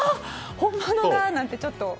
本物だなんてちょっと。